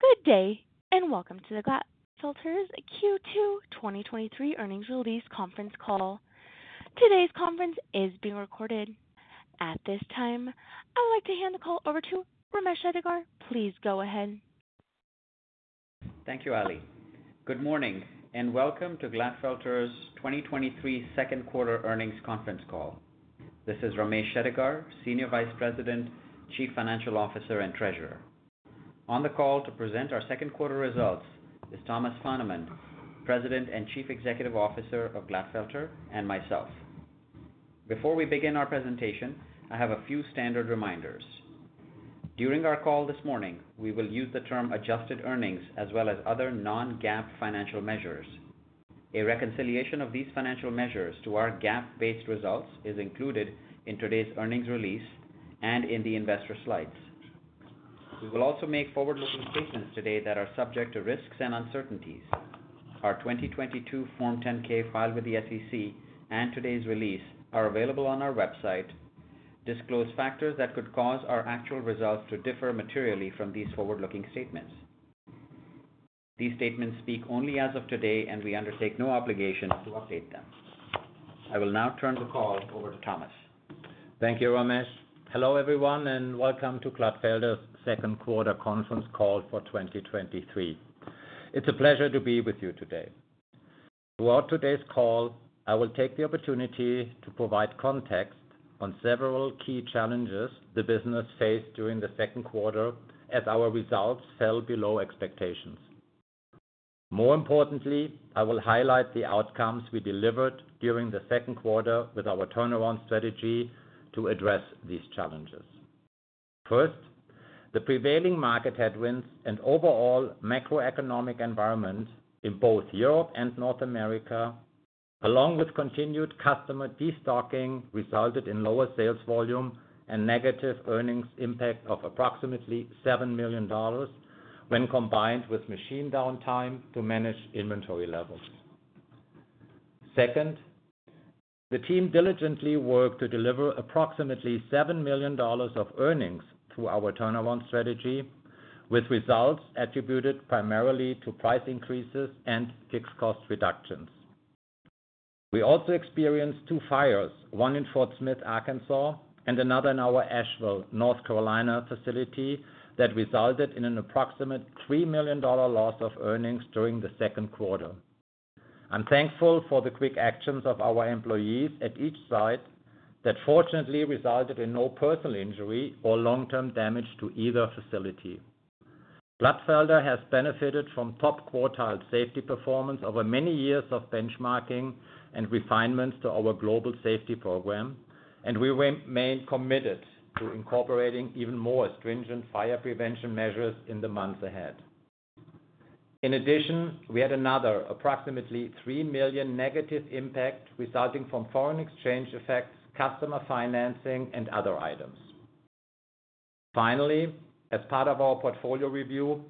Good day, and welcome to the Glatfelter's Q2 2023 Earnings Release conference call. Today's conference is being recorded. At this time, I would like to hand the call over to Ramesh Shettigar. Please go ahead. Thank you, Allie. Good morning, welcome to Glatfelter's 2023 second quarter earnings conference call. This is Ramesh Shettigar, Senior Vice President, Chief Financial Officer, and Treasurer. On the call to present our second quarter results is Thomas Fahnemann, President and Chief Executive Officer of Glatfelter, and myself. Before we begin our presentation, I have a few standard reminders. During our call this morning, we will use the term adjusted earnings as well as other non-GAAP financial measures. A reconciliation of these financial measures to our GAAP-based results is included in today's earnings release and in the investor slides. We will also make forward-looking statements today that are subject to risks and uncertainties. Our 2022 Form 10-K filed with the SEC and today's release are available on our website, disclose factors that could cause our actual results to differ materially from these forward-looking statements. These statements speak only as of today, and we undertake no obligation to update them. I will now turn the call over to Thomas. Thank you, Ramesh. Hello, everyone, and welcome to Glatfelter's second quarter conference call for 2023. It's a pleasure to be with you today. Throughout today's call, I will take the opportunity to provide context on several key challenges the business faced during the second quarter as our results fell below expectations. More importantly, I will highlight the outcomes we delivered during the second quarter with our turnaround strategy to address these challenges. First, the prevailing market headwinds and overall macroeconomic environment in both Europe and North America, along with continued customer destocking, resulted in lower sales volume and negative earnings impact of approximately $7 million when combined with machine downtime to manage inventory levels. Second, the team diligently worked to deliver approximately $7 million of earnings through our turnaround strategy, with results attributed primarily to price increases and fixed cost reductions. We also experienced two fires, one in Fort Smith, Arkansas, and another in our Asheville, North Carolina, facility that resulted in an approximate $3 million loss of earnings during the second quarter. I'm thankful for the quick actions of our employees at each site that fortunately resulted in no personal injury or long-term damage to either facility. Glatfelter has benefited from top-quartile safety performance over many years of benchmarking and refinements to our global safety program, and we remain committed to incorporating even more stringent fire prevention measures in the months ahead. In addition, we had another approximately $3 million negative impact resulting from foreign exchange effects, customer financing, and other items. Finally, as part of our portfolio review,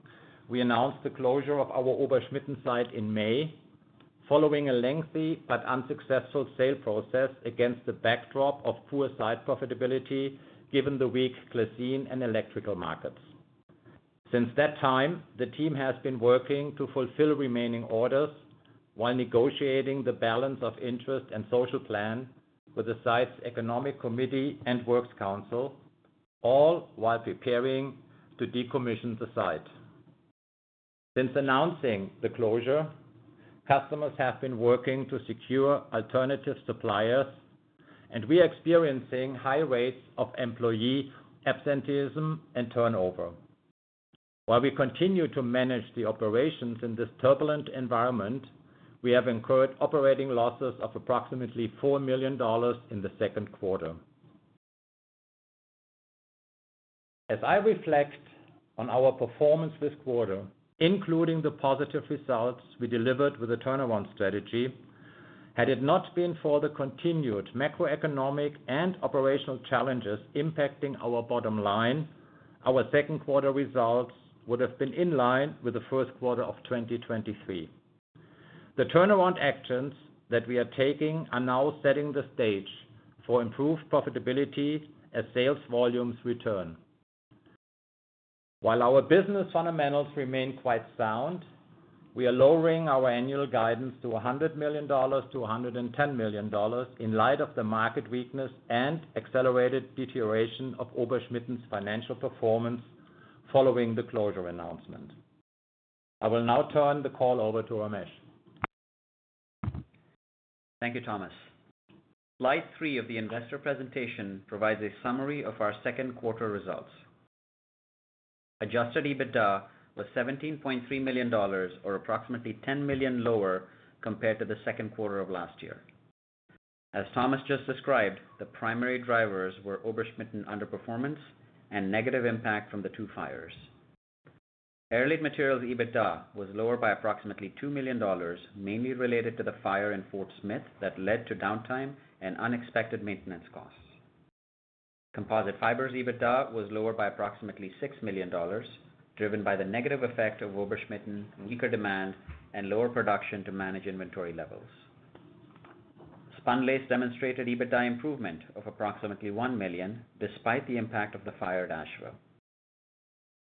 we announced the closure of our Oberschmitten site in May, following a lengthy but unsuccessful sale process against the backdrop of poor site profitability, given the weak glassine and electrical markets. Since that time, the team has been working to fulfill remaining orders while negotiating the balance of interest and social plan with the site's economic committee and works council, all while preparing to decommission the site. Since announcing the closure, customers have been working to secure alternative suppliers, and we are experiencing high rates of employee absenteeism and turnover. While we continue to manage the operations in this turbulent environment, we have incurred operating losses of approximately $4 million in the second quarter. As I reflect on our performance this quarter, including the positive results we delivered with the turnaround strategy, had it not been for the continued macroeconomic and operational challenges impacting our bottom line, our second quarter results would have been in line with the first quarter of 2023. The turnaround actions that we are taking are now setting the stage for improved profitability as sales volumes return. While our business fundamentals remain quite sound, we are lowering our annual guidance to $100 million-$110 million in light of the market weakness and accelerated deterioration of Oberschmitten's financial performance following the closure announcement. I will now turn the call over to Ramesh. Thank you, Thomas. Slide 3 of the investor presentation provides a summary of our second quarter results. Adjusted EBITDA was $17.3 million, or approximately $10 million lower compared to the second quarter of last year. As Thomas just described, the primary drivers were Oberschmitten underperformance and negative impact from the 2 fires. Airlaid Materials' EBITDA was lower by approximately $2 million, mainly related to the fire in Fort Smith that led to downtime and unexpected maintenance costs. Composite Fibers' EBITDA was lower by approximately $6 million, driven by the negative effect of Oberschmitten, weaker demand, and lower production to manage inventory levels. Spunlace demonstrated EBITDA improvement of approximately $1 million, despite the impact of the fire at Asheville.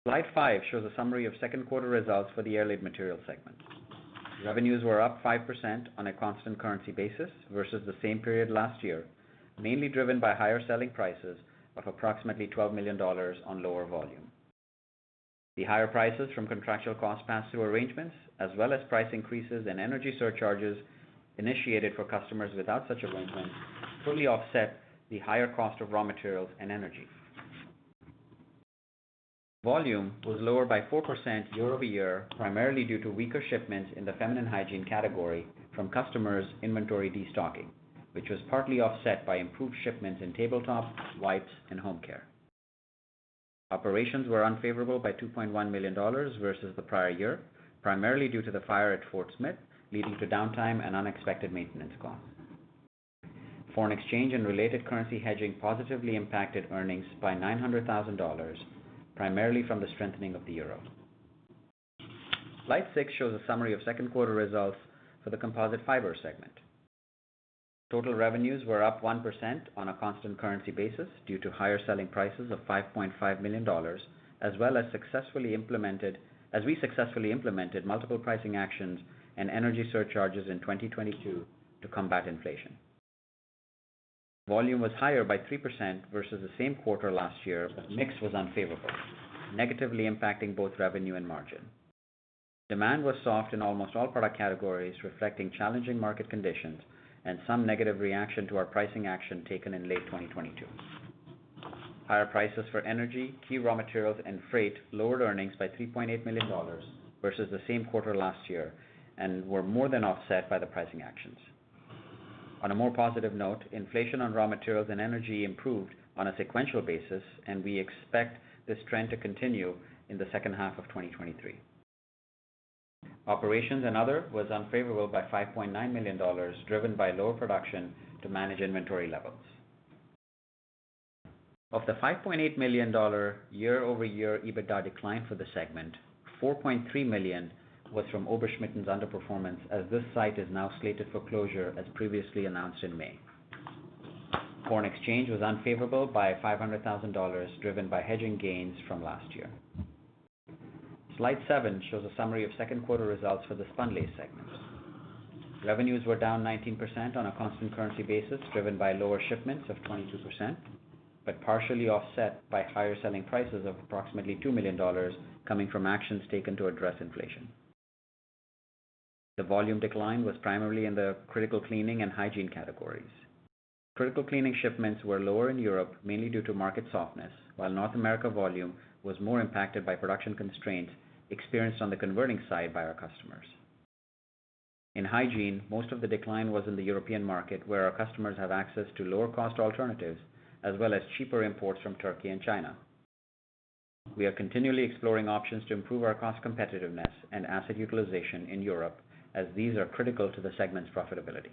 Slide 5 shows a summary of second quarter results for the Airlaid Materials segment. Revenues were up 5% on a constant currency basis versus the same period last year, mainly driven by higher selling prices of approximately $12 million on lower volume. The higher prices from contractual cost pass-through arrangements, as well as price increases and energy surcharges initiated for customers without such arrangements, fully offset the higher cost of raw materials and energy. Volume was lower by 4% year-over-year, primarily due to weaker shipments in the feminine hygiene category from customers' inventory destocking, which was partly offset by improved shipments in tabletop, wipes, and home care. Operations were unfavorable by $2.1 million versus the prior year, primarily due to the fire at Fort Smith, leading to downtime and unexpected maintenance costs. Foreign exchange and related currency hedging positively impacted earnings by $900,000, primarily from the strengthening of the euro. Slide 6 shows a summary of second quarter results for the Composite Fibers segment. Total revenues were up 1% on a constant currency basis due to higher selling prices of $5.5 million, as we successfully implemented multiple pricing actions and energy surcharges in 2022 to combat inflation. Volume was higher by 3% versus the same quarter last year, but mix was unfavorable, negatively impacting both revenue and margin. Demand was soft in almost all product categories, reflecting challenging market conditions and some negative reaction to our pricing action taken in late 2022. Higher prices for energy, key raw materials, and freight lowered earnings by $3.8 million versus the same quarter last year and were more than offset by the pricing actions. On a more positive note, inflation on raw materials and energy improved on a sequential basis, and we expect this trend to continue in the second half of 2023. Operations and other was unfavorable by $5.9 million, driven by lower production to manage inventory levels. Of the $5.8 million year-over-year EBITDA decline for the segment, $4.3 million was from Oberschmitten's underperformance, as this site is now slated for closure, as previously announced in May. Foreign exchange was unfavorable by $500,000, driven by hedging gains from last year. Slide 7 shows a summary of second quarter results for the Spunlace segment. Revenues were down 19% on a constant currency basis, driven by lower shipments of 22%, but partially offset by higher selling prices of approximately $2 million, coming from actions taken to address inflation. The volume decline was primarily in the critical cleaning and hygiene categories. Critical cleaning shipments were lower in Europe, mainly due to market softness, while North America volume was more impacted by production constraints experienced on the converting side by our customers. In hygiene, most of the decline was in the European market, where our customers have access to lower-cost alternatives, as well as cheaper imports from Turkey and China. We are continually exploring options to improve our cost competitiveness and asset utilization in Europe, as these are critical to the segment's profitability.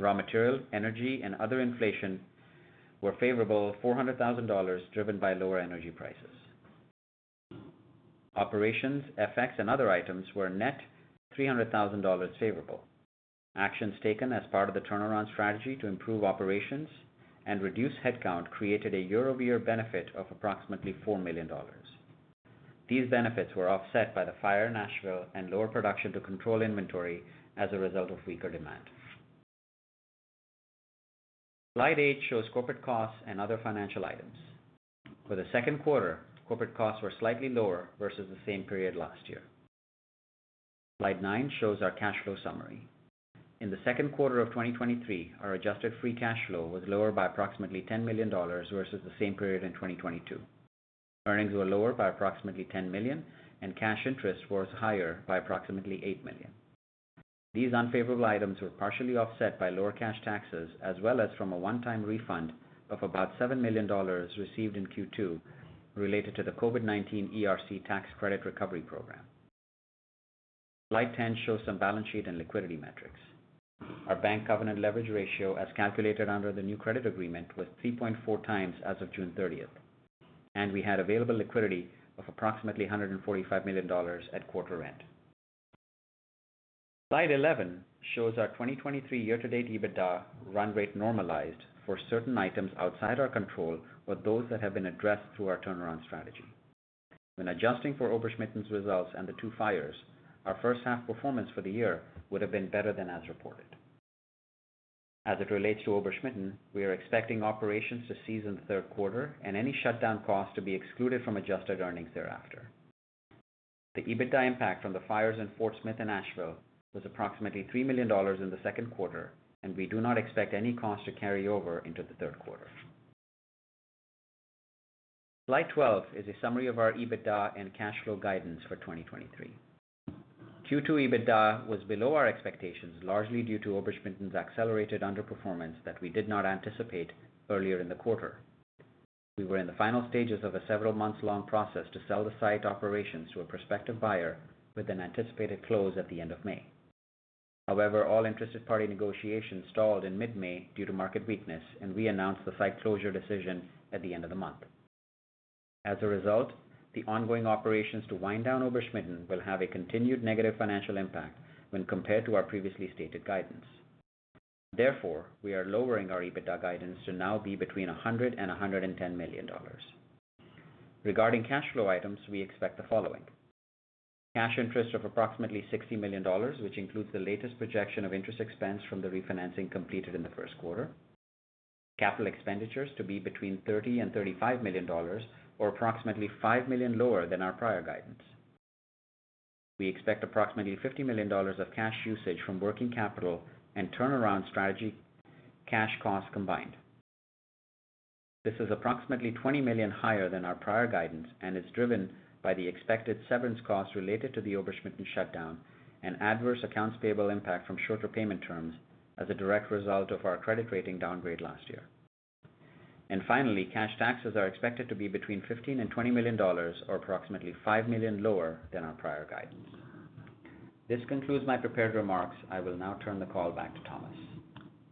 Raw material, energy, and other inflation were favorable, $400,000, driven by lower energy prices. Operations, FX, and other items were net $300,000 favorable. Actions taken as part of the turnaround strategy to improve operations and reduce headcount created a year-over-year benefit of approximately $4 million. These benefits were offset by the fire in Asheville and lower production to control inventory as a result of weaker demand. Slide 8 shows corporate costs and other financial items. For the second quarter, corporate costs were slightly lower versus the same period last year. Slide 9 shows our cash flow summary. In the second quarter of 2023, our adjusted free cash flow was lower by approximately $10 million versus the same period in 2022. Earnings were lower by approximately $10 million, and cash interest was higher by approximately $8 million. These unfavorable items were partially offset by lower cash taxes, as well as from a one-time refund of about $7 million received in Q2, related to the COVID-19 ERC tax credit recovery program. Slide 10 shows some balance sheet and liquidity metrics. Our bank covenant leverage ratio, as calculated under the new credit agreement, was 3.4x as of June 30th, and we had available liquidity of approximately $145 million at quarter end. Slide 11 shows our 2023 year-to-date EBITDA run rate normalized for certain items outside our control, but those that have been addressed through our turnaround strategy. When adjusting for Oberschmitten's results and the two fires, our first half performance for the year would have been better than as reported. As it relates to Oberschmitten, we are expecting operations to cease in the third quarter and any shutdown costs to be excluded from adjusted earnings thereafter. The EBITDA impact from the fires in Fort Smith and Asheville was approximately $3 million in the second quarter, and we do not expect any costs to carry over into the third quarter. Slide 12 is a summary of our EBITDA and cash flow guidance for 2023. Q2 EBITDA was below our expectations, largely due to Oberschmitten's accelerated underperformance that we did not anticipate earlier in the quarter. We were in the final stages of a several months-long process to sell the site operations to a prospective buyer, with an anticipated close at the end of May. However, all interested party negotiations stalled in mid-May due to market weakness, and we announced the site closure decision at the end of the month. As a result, the ongoing operations to wind down Oberschmitten will have a continued negative financial impact when compared to our previously stated guidance. Therefore, we are lowering our EBITDA guidance to now be between $100 million-$110 million. Regarding cash flow items, we expect the following: cash interest of approximately $60 million, which includes the latest projection of interest expense from the refinancing completed in the first quarter. Capital expenditures to be between $30 million and $35 million, or approximately $5 million lower than our prior guidance. We expect approximately $50 million of cash usage from working capital and turnaround strategy cash costs combined. This is approximately $20 million higher than our prior guidance and is driven by the expected severance costs related to the Oberschmitten shutdown and adverse accounts payable impact from shorter payment terms as a direct result of our credit rating downgrade last year. Finally, cash taxes are expected to be between $15 million and $20 million, or approximately $5 million lower than our prior guidance. This concludes my prepared remarks. I will now turn the call back to Thomas.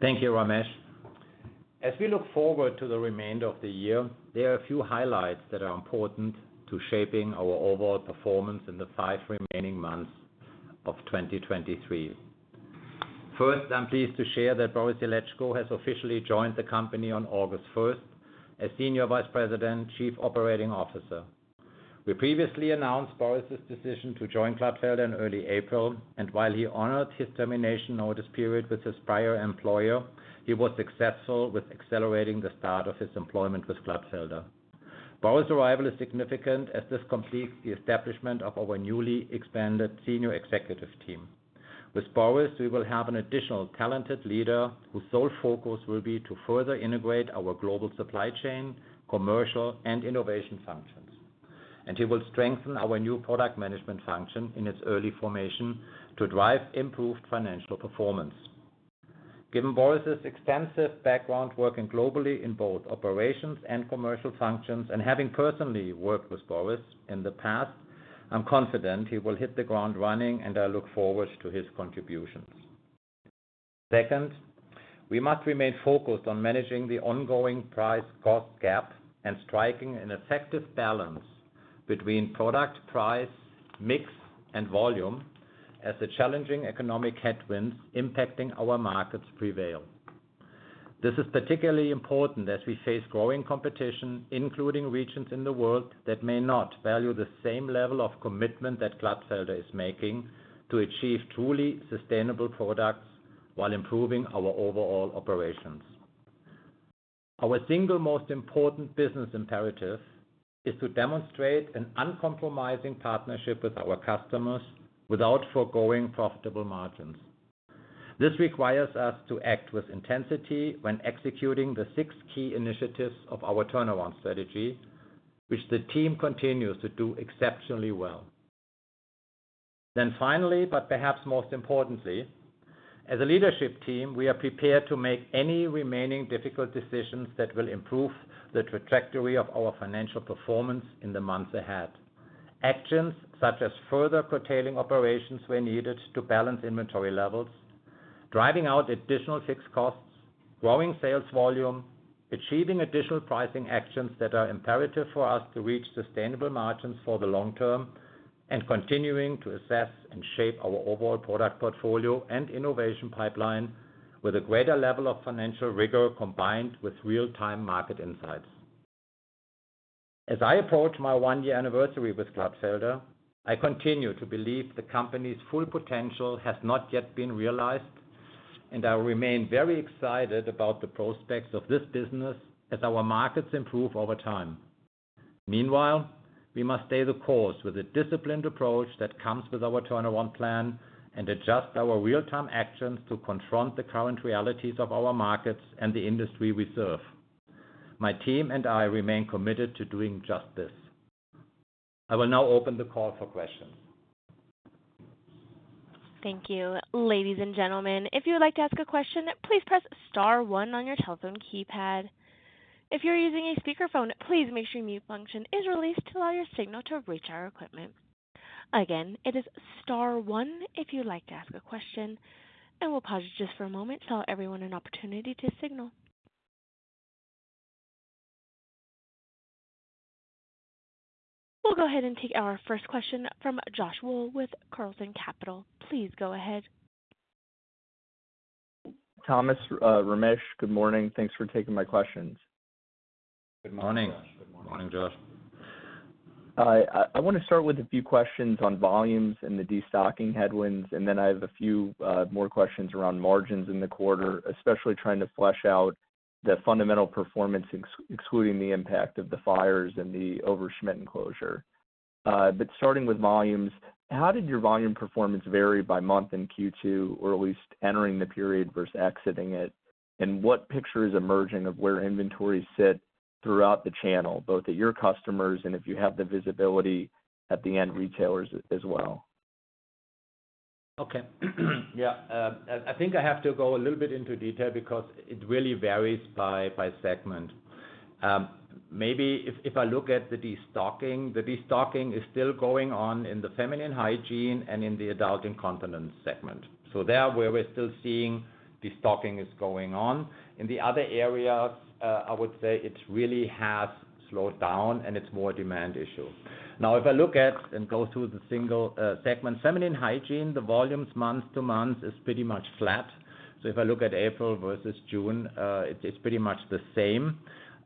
Thank you, Ramesh. As we look forward to the remainder of the year, there are a few highlights that are important to shaping our overall performance in the five remaining months of 2023. First, I'm pleased to share that Boris Illetschko has officially joined the company on August first, as senior vice president, chief operating officer. We previously announced Boris's decision to join Glatfelter in early April, and while he honored his termination notice period with his prior employer, he was successful with accelerating the start of his employment with Glatfelter. Boris' arrival is significant as this completes the establishment of our newly expanded senior executive team. With Boris, we will have an additional talented leader whose sole focus will be to further integrate our global supply chain, commercial, and innovation functions. He will strengthen our new product management function in its early formation to drive improved financial performance. Given Boris's extensive background working globally in both operations and commercial functions, and having personally worked with Boris in the past, I'm confident he will hit the ground running, and I look forward to his contributions. Second, we must remain focused on managing the ongoing price-cost gap and striking an effective balance between product price, mix, and volume as the challenging economic headwinds impacting our markets prevail. This is particularly important as we face growing competition, including regions in the world that may not value the same level of commitment that Glatfelter is making to achieve truly sustainable products while improving our overall operations. Our single most important business imperative is to demonstrate an uncompromising partnership with our customers without foregoing profitable margins. This requires us to act with intensity when executing the six key initiatives of our turnaround strategy, which the team continues to do exceptionally well. Finally, but perhaps most importantly, as a leadership team, we are prepared to make any remaining difficult decisions that will improve the trajectory of our financial performance in the months ahead. Actions such as further curtailing operations where needed to balance inventory levels, driving out additional fixed costs, growing sales volume, achieving additional pricing actions that are imperative for us to reach sustainable margins for the long term, and continuing to assess and shape our overall product portfolio and innovation pipeline with a greater level of financial rigor, combined with real-time market insights. As I approach my one-year anniversary with Glatfelter, I continue to believe the company's full potential has not yet been realized, and I remain very excited about the prospects of this business as our markets improve over time. Meanwhile, we must stay the course with a disciplined approach that comes with our turnaround plan and adjust our real-time actions to confront the current realities of our markets and the industry we serve. My team and I remain committed to doing just this. I will now open the call for questions. Thank you. Ladies and gentlemen, if you would like to ask a question, please press star one on your telephone keypad. If you're using a speakerphone, please make sure your mute function is released to allow your signal to reach our equipment. Again, it is star one if you'd like to ask a question, and we'll pause just for a moment to allow everyone an opportunity to signal. We'll go ahead and take our first question from Josh Wool with Carlson Capital. Please go ahead. Thomas, Ramesh, good morning. Thanks for taking my questions. Good morning. Good morning, Josh. I, I want to start with a few questions on volumes and the destocking headwinds, then I have a few more questions around margins in the quarter, especially trying to flesh out the fundamental performance, excluding the impact of the fires and the Oberschmitten closure. But starting with volumes, how did your volume performance vary by month in Q2, or at least entering the period versus exiting it? What picture is emerging of where inventories sit throughout the channel, both at your customers and if you have the visibility at the end, retailers as well? Okay. Yeah, I think I have to go a little bit into detail because it really varies by segment. Maybe if I look at the destocking, the destocking is still going on in the feminine hygiene and in the adult incontinence segment. There, where we're still seeing destocking is going on. In the other areas, I would say it really has slowed down, and it's more demand issue. Now, if I look at and go through the single segment, feminine hygiene, the volumes month-to-month is pretty much flat. If I look at April versus June, it's pretty much the same.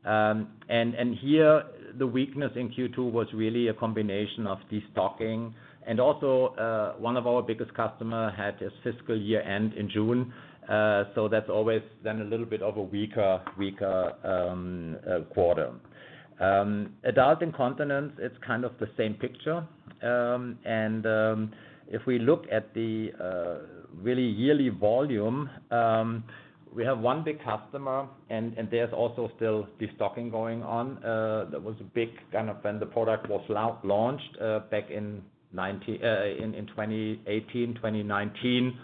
And here, the weakness in Q2 was really a combination of destocking and also, one of our biggest customer had his fiscal year end in June. That's always then a little bit of a weaker, weaker quarter. adult incontinence, it's kind of the same picture. If we look at the really yearly volume, we have one big customer, and there's also still destocking going on. That was a big kind of when the product was launched back in 2018, 2019.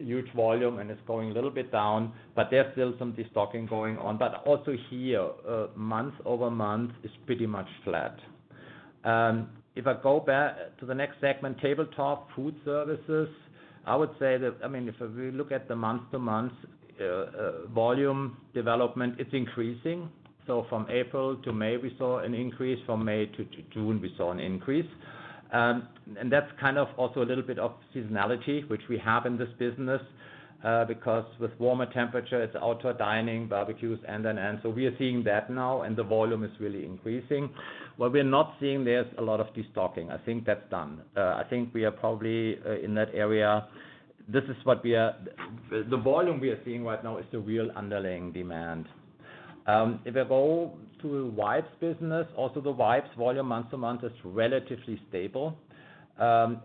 Huge volume, and it's going a little bit down, but there's still some destocking going on. Also here, month-over-month is pretty much flat. If I go to the next segment, tabletop food services, I would say that, I mean, if we look at the month-to-month volume development, it's increasing. From April to May, we saw an increase. From May to June, we saw an increase. That's kind of also a little bit of seasonality, which we have in this business, because with warmer temperature, it's outdoor dining, barbecues, and then... So we are seeing that now, and the volume is really increasing. What we're not seeing, there's a lot of destocking. I think that's done. I think we are probably in that area. This is what we are. The volume we are seeing right now is the real underlying demand. If I go to wipes business, also the wipes volume month-to-month is relatively stable. There's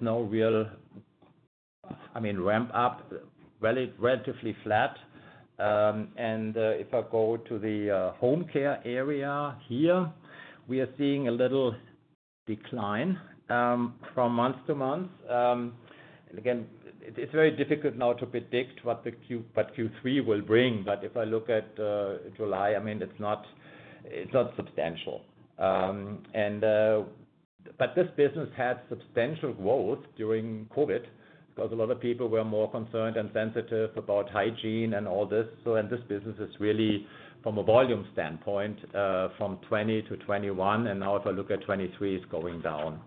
no real, I mean, ramp up, relatively flat. If I go to the home care area here, we are seeing a little decline from month-to-month. Again, it's very difficult now to predict what Q3 will bring. If I look at July, I mean, it's not, it's not substantial. This business had substantial growth during COVID, because a lot of people were more concerned and sensitive about hygiene and all this. This business is really from a volume standpoint, from 2020 to 2021, and now if I look at 2023, it's going down.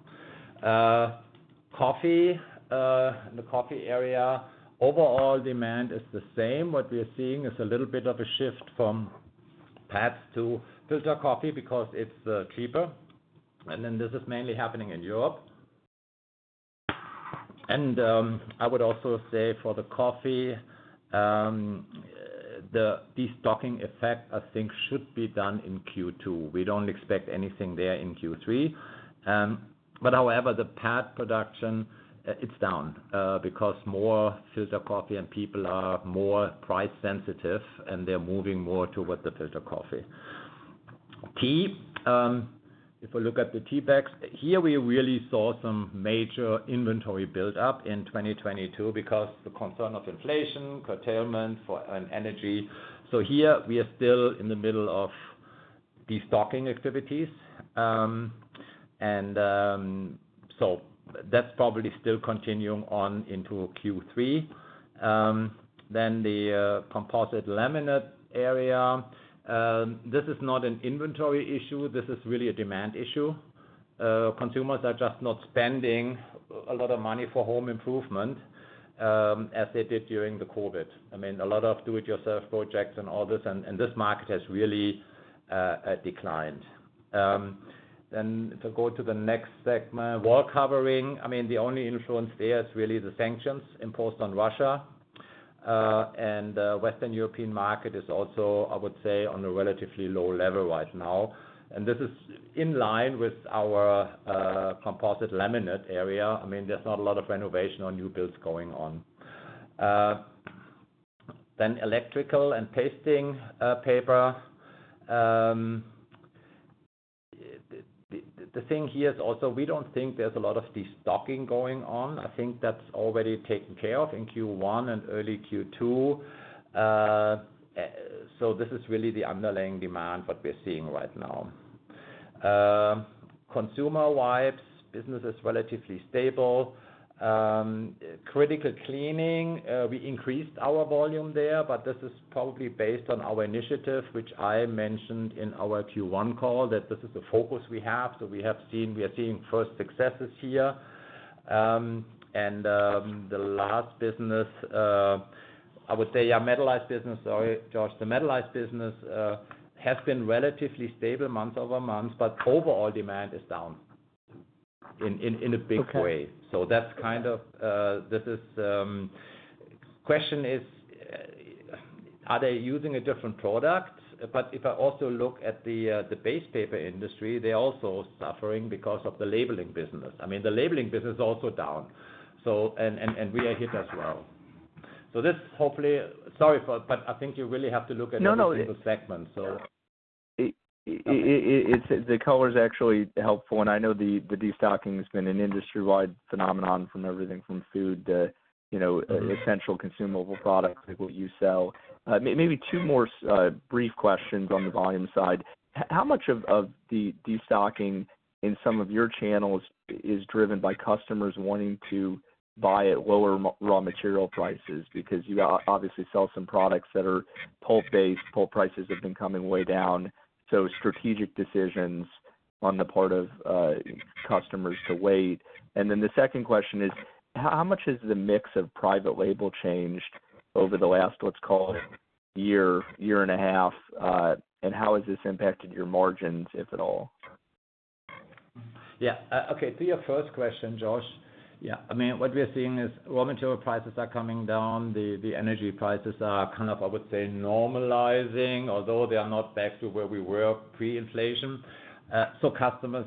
Coffee, the coffee area, overall demand is the same. What we are seeing is a little bit of a shift from pads to filter coffee because it's cheaper, this is mainly happening in Europe. I would also say for the coffee, the destocking effect, I think, should be done in Q2. We don't expect anything there in Q3. However, the pad production, it's down because more filter coffee and people are more price sensitive, and they're moving more toward the filter coffee. Tea, if we look at the tea bags, here, we really saw some major inventory build up in 2022 because the concern of inflation, curtailment for, and energy. Here we are still in the middle of destocking activities. That's probably still continuing on into Q3. The composite laminate area, this is not an inventory issue. This is really a demand issue. Consumers are just not spending a lot of money for home improvement as they did during the COVID. I mean, a lot of do-it-yourself projects and all this, and this market has really declined. If I go to the next segment, wallcovering, I mean, the only influence there is really the sanctions imposed on Russia. Western European market is also, I would say, on a relatively low level right now, and this is in line with our composite laminate area. I mean, there's not a lot of renovation or new builds going on. Electrical and pasting paper. The thing here is also, we don't think there's a lot of destocking going on. I think that's already taken care of in Q1 and early Q2. This is really the underlying demand, what we're seeing right now. consumer wipes business is relatively stable. Critical cleaning, we increased our volume there, but this is probably based on our initiative, which I mentioned in our Q1 call, that this is the focus we have. We are seeing first successes here. The last business, I would say, yeah, metallized business. Sorry, George. The metallized business has been relatively stable month-over-month, but overall demand is down in, in, in a big way. Okay. That's kind of, this is... Question is, are they using a different product? If I also look at the base paper industry, they're also suffering because of the labeling business. I mean, the labeling business is also down. And, and, and we are hit as well. This hopefully... Sorry for, but I think you really have to look at it- No, no. In the segments, so.... It's, the color's actually helpful, and I know the, the destocking has been an industry-wide phenomenon from everything from food to, you know, essential consumable products, like what you sell. maybe two more brief questions on the volume side. How much of, of the destocking in some of your channels is driven by customers wanting to buy at lower raw material prices? Because you obviously sell some products that are pulp-based. Pulp prices have been coming way down, so strategic decisions on the part of, customers to wait. Then the second question is: how much has the mix of private label changed over the last, let's call it, year, year and a half? And how has this impacted your margins, if at all? Yeah. Okay, to your first question, Josh. Yeah, I mean, what we are seeing is raw material prices are coming down. The, the energy prices are kind of, I would say, normalizing, although they are not back to where we were pre-inflation. Customers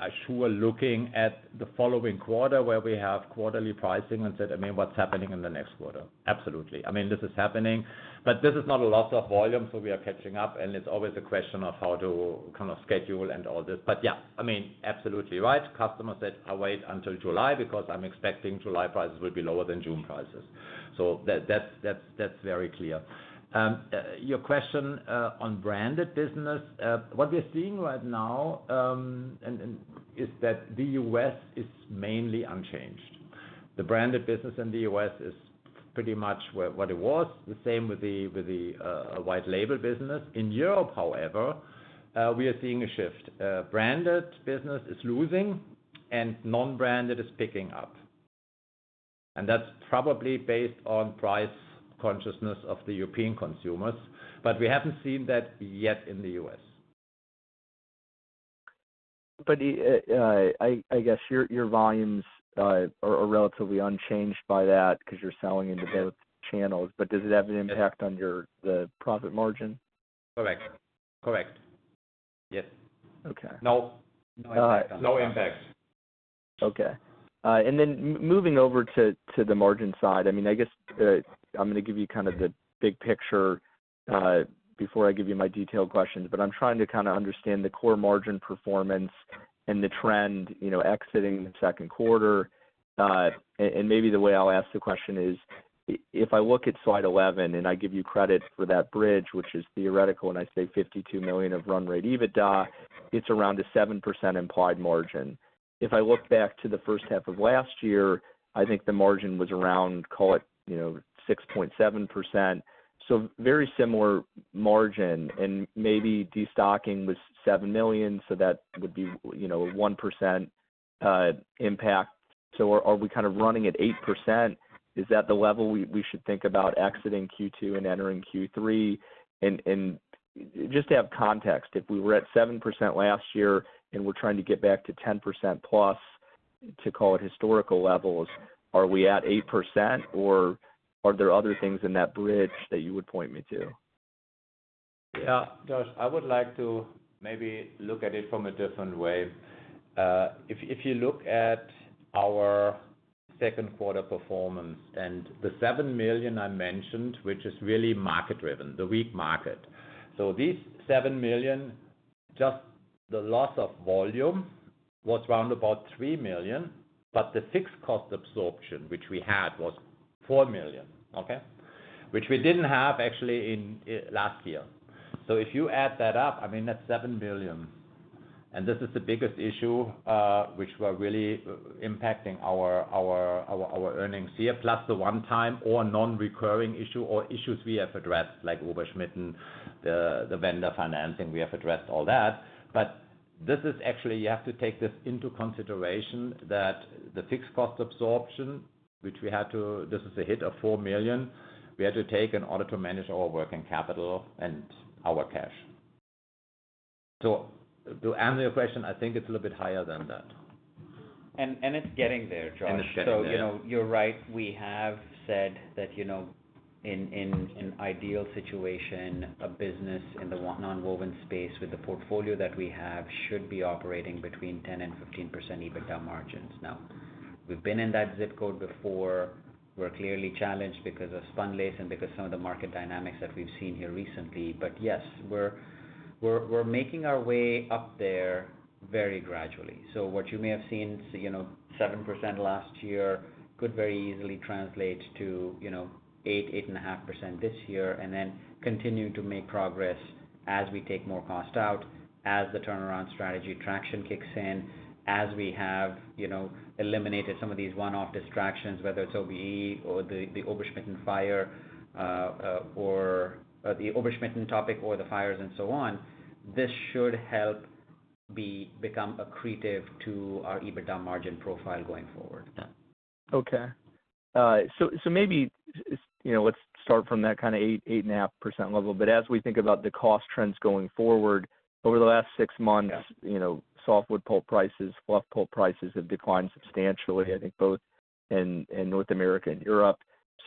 are sure looking at the following quarter, where we have quarterly pricing, and said, "I mean, what's happening in the next quarter?" Absolutely. I mean, this is happening, but this is not a lot of volume, so we are catching up, and it's always a question of how to kind of schedule and all this. Yeah, I mean, absolutely right. Customers said, "I'll wait until July, because I'm expecting July prices will be lower than June prices." That, that's, that's, that's very clear. Your question on branded business. What we're seeing right now, and is that the US is mainly unchanged. The branded business in the US is pretty much where what it was. The same with the, with the, white label business. In Europe, however, we are seeing a shift. Branded business is losing, and non-branded is picking up, and that's probably based on price consciousness of the European consumers, but we haven't seen that yet in the US. I guess your volumes are relatively unchanged by that because you're selling into both channels. But does it have an impact on the profit margin? Correct. Correct. Yes. Okay. No, no impact. Okay, and then moving over to, to the margin side, I mean, I guess, I'm gonna give you kind of the big picture, before I give you my detailed questions. I'm trying to kind of understand the core margin performance and the trend, you know, exiting the second quarter. Maybe the way I'll ask the question is, if I look at slide 11, and I give you credit for that bridge, which is theoretical, and I say $52 million of run rate EBITDA, it's around a 7% implied margin. If I look back to the first half of last year, I think the margin was around, call it, you know, 6.7%. Very similar margin, and maybe destocking was $7 million, so that would be, you know, a 1% impact. Are, are we kind of running at 8%? Is that the level we, we should think about exiting Q2 and entering Q3? Just to have context, if we were at 7% last year, and we're trying to get back to 10%+ to call it historical levels, are we at 8%, or are there other things in that bridge that you would point me to? Yeah, Josh, I would like to maybe look at it from a different way. If, if you look at our second quarter performance and the $7 million I mentioned, which is really market driven, the weak market. This $7 million, just the loss of volume, was around about $3 million, but the fixed cost absorption, which we had, was $4 million, okay? Which we didn't have actually in last year. If you add that up, I mean, that's $7 million, and this is the biggest issue, which we're really impacting our, our, our, our earnings here, plus the one time or non-recurring issue or issues we have addressed, like Oberschmitten, the, the vendor financing, we have addressed all that. This is actually, you have to take this into consideration, that the fixed cost absorption, which we had to. This is a hit of $4 million, we had to take in order to manage our working capital and our cash. To answer your question, I think it's a little bit higher than that. It's getting there, Josh. It's getting there. You know, you're right. We have said that, you know, in, in, in ideal situation, a business in the nonwoven space with the portfolio that we have, should be operating between 10% and 15% EBITDA margins. We've been in that ZIP code before. We're clearly challenged because of spunlace and because some of the market dynamics that we've seen here recently. Yes, we're, we're, we're making our way up there very gradually. What you may have seen, you know, 7% last year, could very easily translate to, you know, 8%, 8.5% this year. Then continue to make progress as we take more cost out, as the turnaround strategy traction kicks in, as we have, you know, eliminated some of these one-off distractions, whether it's OBE or the, the Oberschmitten fire, or the Oberschmitten topic or the fires and so on. This should help become accretive to our EBITDA margin profile going forward. Okay. so maybe, you know, let's start from that kind of 8-8.5% level. As we think about the cost trends going forward, over the last 6 months... Yeah... you know, softwood pulp prices, fluff pulp prices, have declined substantially, I think both in, in North America and Europe.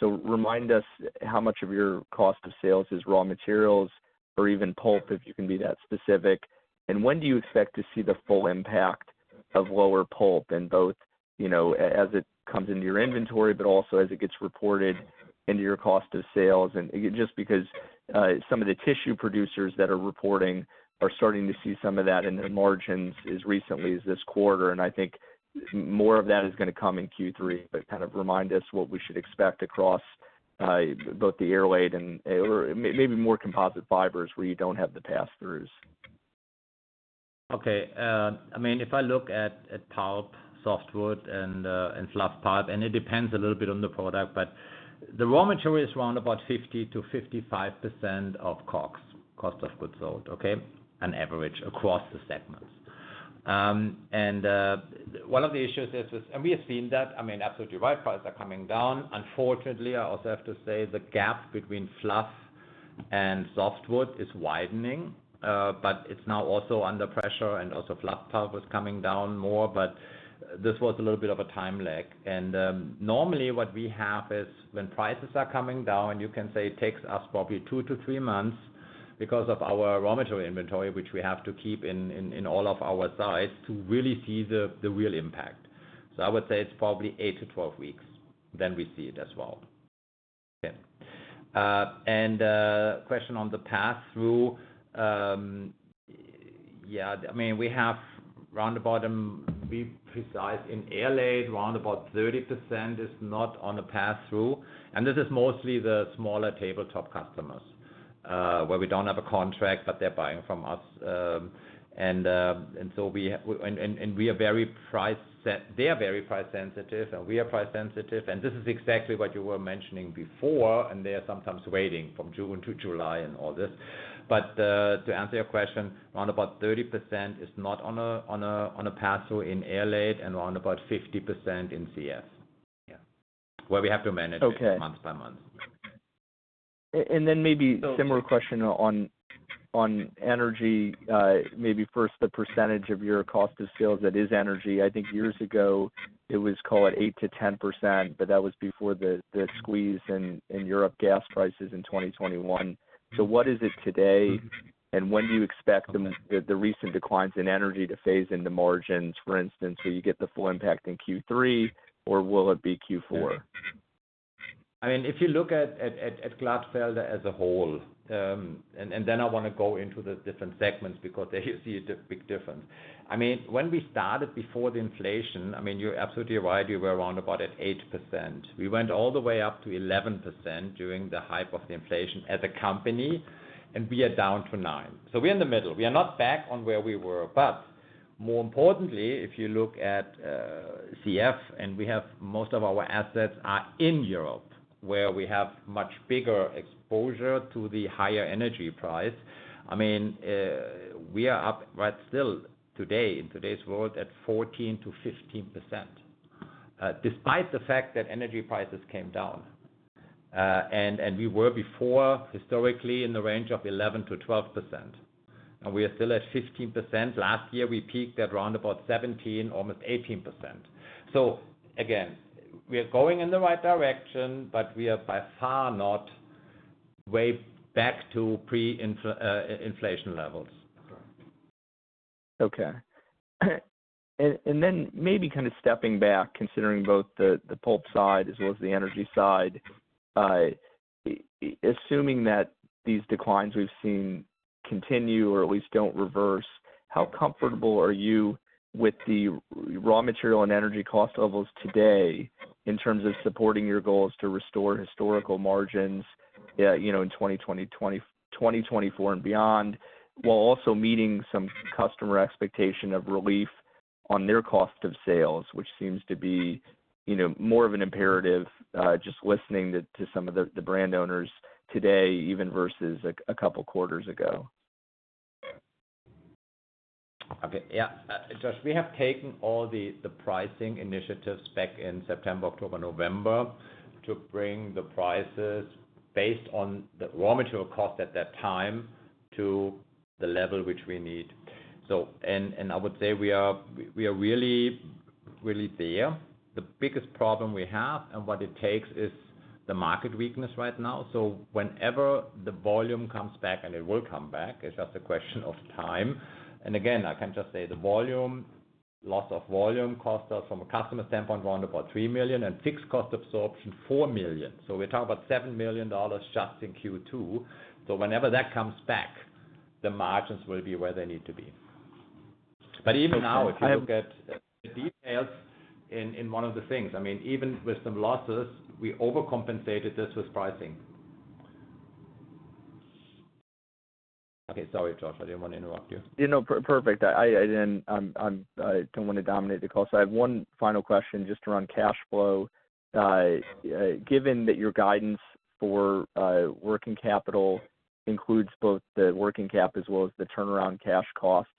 Remind us how much of your cost of sales is raw materials, or even pulp, if you can be that specific? When do you expect to see the full impact?... of lower pulp in both, you know, as it comes into your inventory, but also as it gets reported into your cost of sales. Just because some of the tissue producers that are reporting are starting to see some of that in their margins as recently as this quarter, and I think more of that is gonna come in Q3. Kind of remind us what we should expect across both the airlaid and, or maybe more composite fibers, where you don't have the pass-throughs. Okay. I mean, if I look at, at pulp, softwood, and fluff pulp, and it depends a little bit on the product, but the raw material is around about 50%-55% of COGS, cost of goods sold, okay? An average across the segments. One of the issues is, and we have seen that, I mean, absolutely, wide prices are coming down. Unfortunately, I also have to say, the gap between fluff and softwood is widening, but it's now also under pressure, and also fluff pulp is coming down more, but this was a little bit of a time lag. Normally, what we have is, when prices are coming down, you can say it takes us probably 2-3 months because of our raw material inventory, which we have to keep in, in, in all of our sites, to really see the real impact. I would say it's probably 8-12 weeks, then we see it as well. Okay. Question on the pass-through. Yeah, I mean, we have round about, be precise, in Airlaid, round about 30% is not on the pass-through, and this is mostly the smaller tabletop customers, where we don't have a contract, but they're buying from us. They are very price sensitive, and we are price sensitive, and this is exactly what you were mentioning before, and they are sometimes waiting from June to July and all this. To answer your question, around about 30% is not on a, on a, on a pass-through in Airlaid and around about 50% in CF. Yeah. Where we have to manage- Okay. Month by month. Maybe similar question on, on energy. Maybe first, the percentage of your cost of sales that is energy. I think years ago it was, call it, 8%-10%. That was before the, the squeeze in, in Europe gas prices in 2021. What is it today? Mm-hmm. When do you expect the recent declines in energy to phase into margins? For instance, will you get the full impact in Q3, or will it be Q4? I mean, if you look at, at, at Glatfelter as a whole, then I want to go into the different segments because there you see a big difference. I mean, when we started before the inflation, I mean, you're absolutely right, we were around about at 8%. We went all the way up to 11% during the height of the inflation as a company, and we are down to 9. We're in the middle. We are not back on where we were. More importantly, if you look at CF, we have most of our assets are in Europe, where we have much bigger exposure to the higher energy price. I mean, we are up, but still, today, in today's world, at 14%-15%, despite the fact that energy prices came down. and, and we were before, historically, in the range of 11%-12%, and we are still at 15%. Last year, we peaked at round about 17%, almost 18%. Again, we are going in the right direction, but we are by far not way back to pre-infla- inflation levels. Okay. And then maybe kind of stepping back, considering both the, the pulp side as well as the energy side. Assuming that these declines we've seen continue or at least don't reverse, how comfortable are you with the raw material and energy cost levels today in terms of supporting your goals to restore historical margins, you know, in 2024 and beyond, while also meeting some customer expectation of relief on their cost of sales, which seems to be, you know, more of an imperative, just listening to, to some of the, the brand owners today, even versus a couple quarters ago? Okay. Yeah, we have taken all the, the pricing initiatives back in September, October, November, to bring the prices based on the raw material cost at that time to the level which we need. I would say we are, we are really, really there. The biggest problem we have and what it takes is the market weakness right now. Whenever the volume comes back, and it will come back, it's just a question of time. Again, I can just say the volume, loss of volume cost us, from a customer standpoint, round about $3 million, and fixed cost absorption, $4 million. We're talking about $7 million just in Q2. Whenever that comes back, the margins will be where they need to be. Even now, if you look at the details in, in one of the things, I mean, even with some losses, we overcompensated this with pricing. Okay. Sorry, Josh, I didn't want to interrupt you. You're no, perfect. I'm, I don't want to dominate the call. I have one final question just around cash flow. Given that your guidance for working capital includes both the working cap as well as the turnaround cash costs,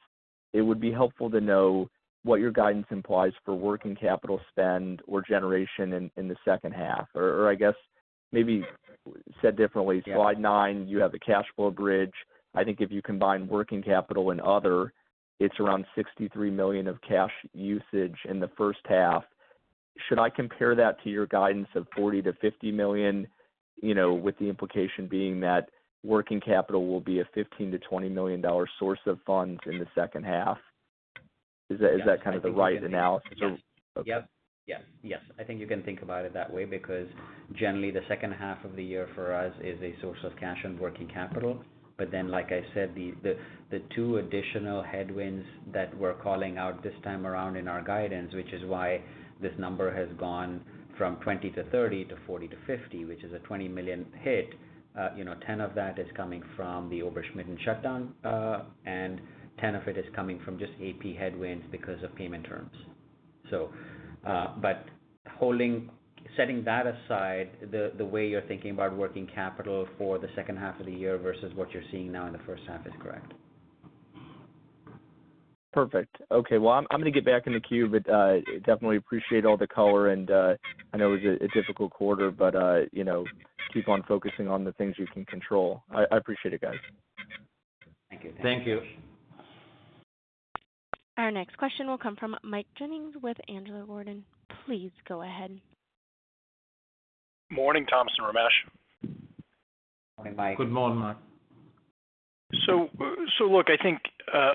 it would be helpful to know what your guidance implies for working capital spend or generation in, in the second half, or, or I guess maybe said differently- Yeah. Slide 9, you have the cash flow bridge. I think if you combine working capital and other, it's around $63 million of cash usage in the first half. Should I compare that to your guidance of $40 million-$50 million, you know, with the implication being that working capital will be a $15 million-$20 million source of funds in the second half? Is that, is that kind of the right analysis? Yes. Yep. Yes, yes. I think you can think about it that way, because generally, the second half of the year for us is a source of cash and working capital. Like I said, the, the, the two additional headwinds that we're calling out this time around in our guidance, which is why this number has gone from $20 to $30 to $40 to $50, which is a $20 million hit. You know, $10 of that is coming from the Oberschmitten shutdown, and $10 of it is coming from just AP headwinds because of payment terms. Setting that aside, the, the way you're thinking about working capital for the second half of the year versus what you're seeing now in the first half is correct. Perfect. Okay, well, I'm gonna get back in the queue, but definitely appreciate all the color and I know it was a difficult quarter, but you know, keep on focusing on the things you can control. I appreciate it, guys. Thank you. Thank you. Our next question will come Mike Ginnins with Angelo Gordon. Please go ahead. Morning, Thomas and Ramesh. Morning, Mike. Good morning, Mike. Look, I think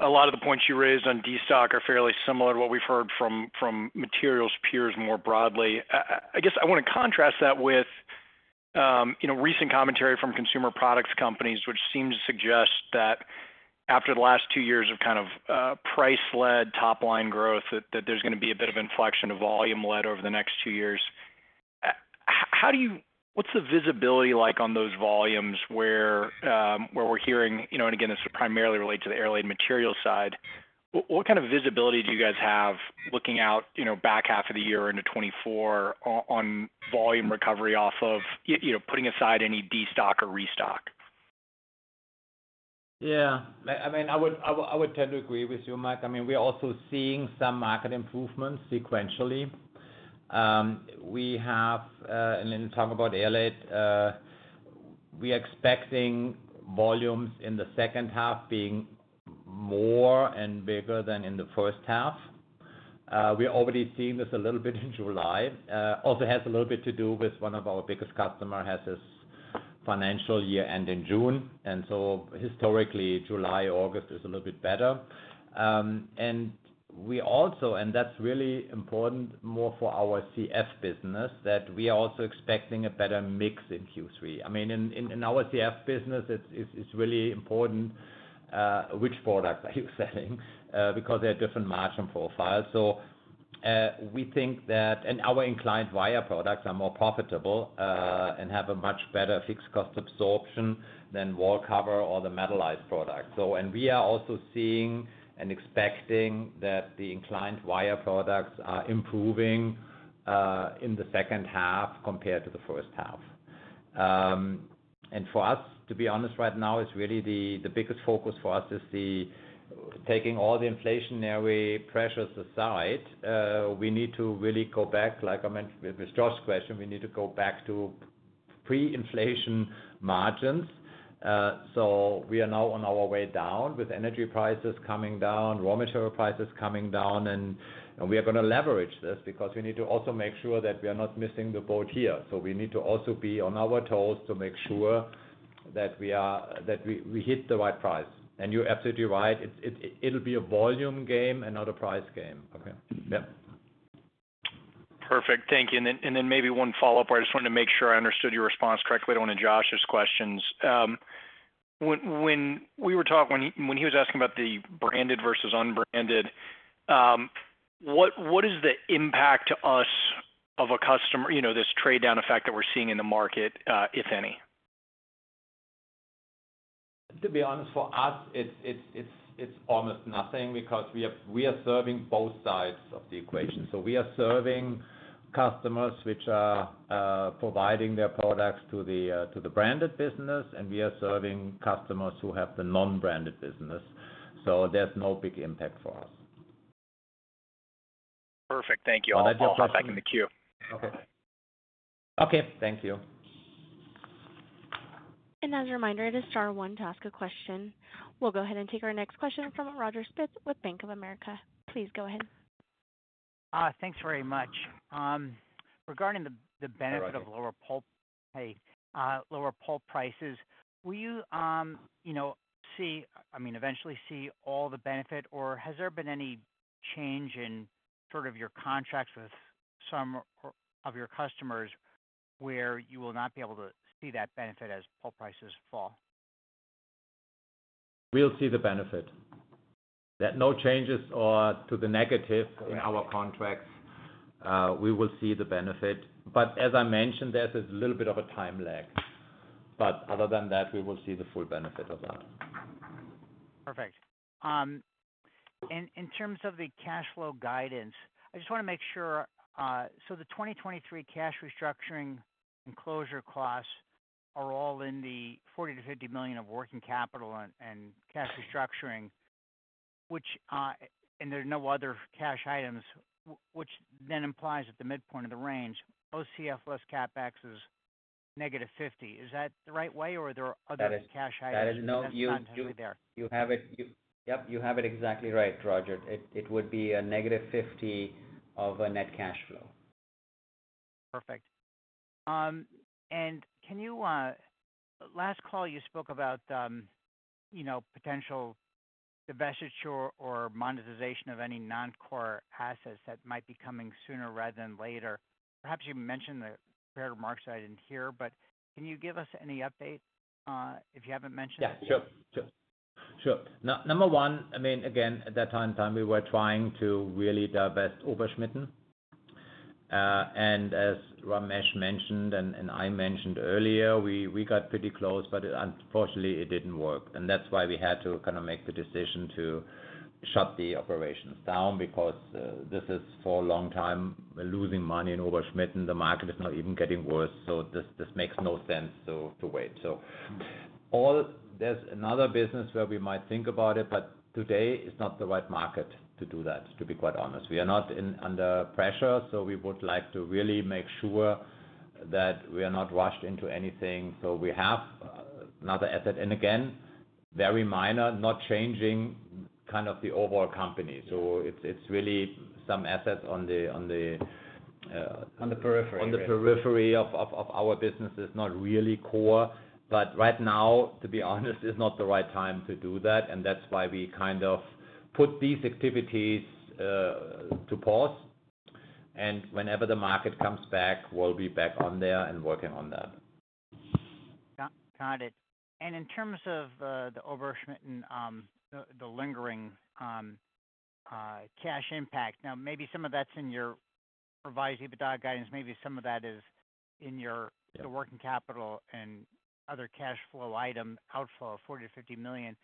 a lot of the points you raised on destock are fairly similar to what we've heard from, from materials peers more broadly. I, I guess I want to contrast that with, you know, recent commentary from consumer products companies, which seem to suggest that after the last 2 years of kind of, price-led, top-line growth, that, that there's gonna be a bit of inflection of volume led over the next 2 years. How do you what's the visibility like on those volumes where, where we're hearing, you know, and again, this is primarily related to the airlaid material side. What kind of visibility do you guys have looking out, you know, back half of the year into 2024 on volume recovery off of, you know, putting aside any destock or restock? Yeah, I, I mean, I would, I would, I would tend to agree with you, Mike. We are also seeing some market improvements sequentially. We have, and then talk about Airlaid, we expecting volumes in the second half being more and bigger than in the first half. We're already seeing this a little bit in July. Also has a little bit to do with one of our biggest customer has this financial year end in June, and so historically, July, August is a little bit better. And we also, and that's really important, more for our CF business, that we are also expecting a better mix in Q3. I mean, in, in, in our CF business, it's, it's, it's really important, which product are you selling, because they're different margin profiles. We think our inclined wire products are more profitable, and have a much better fixed cost absorption than wallcovering or the metallized products. We are also seeing and expecting that the inclined wire products are improving in the second half compared to the first half. For us, to be honest, right now, it's really the, the biggest focus for us is the taking all the inflationary pressures aside, we need to really go back, like I mentioned with, with Josh's question, we need to go back to pre-inflation margins. We are now on our way down, with energy prices coming down, raw material prices coming down, and we are gonna leverage this because we need to also make sure that we are not missing the boat here. We need to also be on our toes to make sure we hit the right price. You're absolutely right, it'll be a volume game and not a price game. Okay. Yep. Perfect. Thank you. Then, maybe one follow-up. I just wanted to make sure I understood your response correctly to one of Josh's questions. When we were talking, when he was asking about the branded versus unbranded, what is the impact to us of a customer? You know, this trade-down effect that we're seeing in the market, if any? To be honest, for us, it's, it's, it's, it's almost nothing because we are, we are serving both sides of the equation. We are serving customers which are providing their products to the to the branded business, and we are serving customers who have the non-branded business. There's no big impact for us. Perfect. Thank you. No problem. I'll hop back in the queue. Okay. Okay, thank you. As a reminder, it is star one to ask a question. We'll go ahead and take our next question from Roger Spitz with Bank of America. Please go ahead. thanks very much. regarding the, the benefit- Go ahead. of lower pulp price, lower pulp prices, will you, you know, see, I mean, eventually see all the benefit, or has there been any change in sort of your contracts with some or of your customers, where you will not be able to see that benefit as pulp prices fall? We'll see the benefit. There are no changes or to the negative in our contracts, we will see the benefit, but as I mentioned, there's a little bit of a time lag. Other than that, we will see the full benefit of that. Perfect. In terms of the cash flow guidance, I just want to make sure, so the 2023 cash restructuring and closure costs are all in the $40 million-$50 million of working capital and cash restructuring. There are no other cash items, which then implies at the midpoint of the range, OCF plus CapEx is? -$50 million? Is that the right way, or are there other cash items? That is, no, you, you, you have it. Yep, you have it exactly right, Roger. It, it would be a negative $50 of a net cash flow. Perfect. Can you, last call you spoke about, you know, potential divestiture or monetization of any non-core assets that might be coming sooner rather than later? Perhaps you mentioned the prepared remarks I didn't hear, but can you give us any update, if you haven't mentioned it? Yeah, sure. Sure. Sure. Number one, I mean, again, at that point in time, we were trying to really divest Oberschmitten. As Ramesh mentioned, and I mentioned earlier, we, we got pretty close, but unfortunately, it didn't work. That's why we had to kind of make the decision to shut the operations down, because this is for a long time, losing money in Oberschmitten. The market is now even getting worse, this, this makes no sense, so to wait. There's another business where we might think about it, but today is not the right market to do that, to be quite honest. We are not under pressure, so we would like to really make sure that we are not rushed into anything. We have another asset, and again, very minor, not changing kind of the overall company. It's, it's really some assets on the, on the. On the periphery. on the periphery of our business. It's not really core, but right now, to be honest, is not the right time to do that, and that's why we kind of put these activities to pause. Whenever the market comes back, we'll be back on there and working on that. Got, got it. In terms of the Oberschmitten, the, the lingering cash impact. Now, maybe some of that's in your revised EBITDA guidance, maybe some of that is in your. Yeah The working capital and other cash flow item outflow of $40 million-$50 million.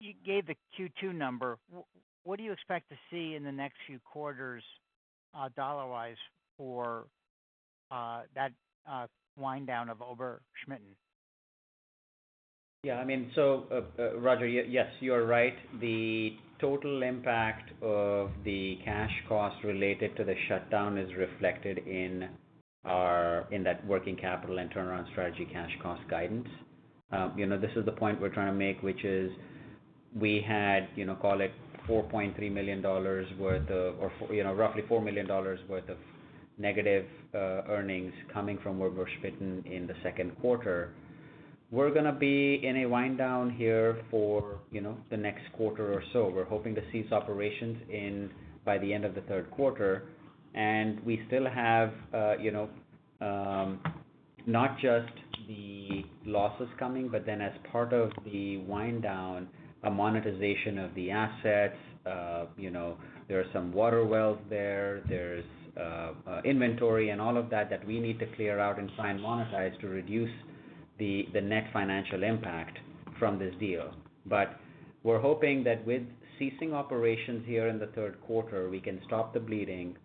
You gave the Q2 number. What do you expect to see in the next few quarters, dollar-wise for that wind down of Oberschmitten? Yeah, I mean, so Roger, yes, you're right. The total impact of the cash costs related to the shutdown is reflected in our, in that working capital and turnaround strategy cash cost guidance. You know, this is the point we're trying to make, which is we had, you know, call it $4.3 million worth of, or you know, roughly $4 million worth of negative earnings coming from Oberschmitten in the second quarter. We're going to be in a wind down here for, you know, the next quarter or so. We're hoping to cease operations in, by the end of the third quarter. We still have, you know, not just the losses coming, but then as part of the wind down, a monetization of the assets. you know, there are some water wells there, there's inventory and all of that, that we need to clear out and try and monetize to reduce the, the net financial impact from this deal. We're hoping that with ceasing operations here in the third quarter, we can stop the bleeding,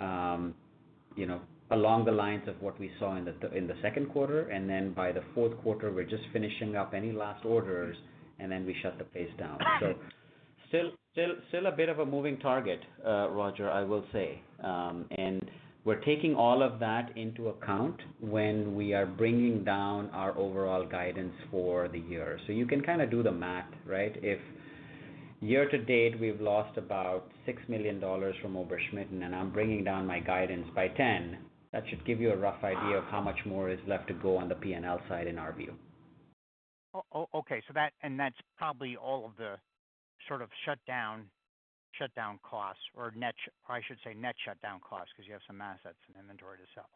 you know, along the lines of what we saw in the, in the second quarter, and then by the fourth quarter, we're just finishing up any last orders, and then we shut the place down. Got it. Still, still, still a bit of a moving target, Roger, I will say. We're taking all of that into account when we are bringing down our overall guidance for the year. You can kind of do the math, right? If year to date, we've lost about $6 million from Oberschmitten, and I'm bringing down my guidance by 10, that should give you a rough idea of how much more is left to go on the P&L side, in our view. Okay, that's probably all of the sort of shutdown costs, I should say net shutdown costs, because you have some assets and inventory to sell.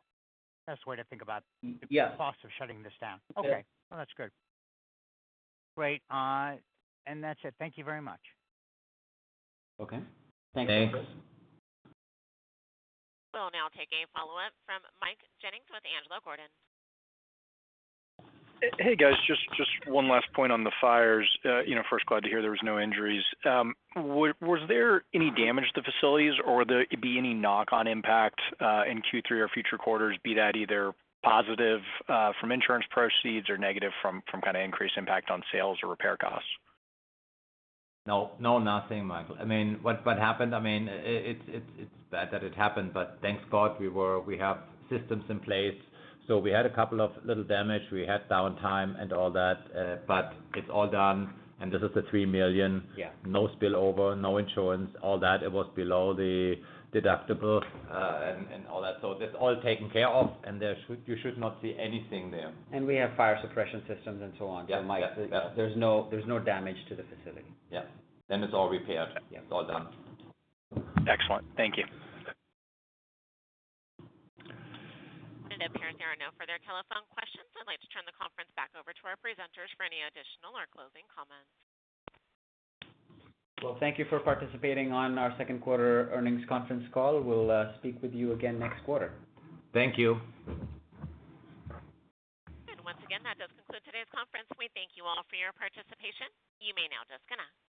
Best way to think about- Yeah the costs of shutting this down. Yeah. Okay. Well, that's good. Great. That's it. Thank you very much. Okay. Thanks. Thanks. We'll now take a follow-up from Mike Ginnins with Angelo Gordon. Hey, guys, just one last point on the fires. You know, first, glad to hear there was no injuries. Was there any damage to the facilities or be any knock on impact in Q3 or future quarters, be that either positive from insurance proceeds or negative from kind of increased impact on sales or repair costs? No, no, nothing, Mike. I mean, what, what happened, I mean, it's, it's, it's bad that it happened, but thank God we have systems in place. We had a couple of little damage. We had downtime and all that, but it's all done. This is the $3 million. Yeah. No spillover, no insurance, all that. It was below the deductible, and, and all that. That's all taken care of, and there should, you should not see anything there. We have fire suppression systems and so on. Yeah, yeah. Mike, there's no damage to the facility. Yeah. It's all repaired. Yeah. It's all done. Excellent. Thank you. Okay. It appears there are no further telephone questions. I'd like to turn the conference back over to our presenters for any additional or closing comments. Well, thank you for participating on our second quarter earnings conference call. We'll speak with you again next quarter. Thank you. Once again, that does conclude today's conference. We thank you all for your participation. You may now disconnect.